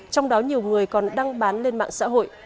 trong đó nhiều người còn đăng bán lên mạng xã hội